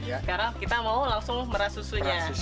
sekarang kita mau langsung merah susunya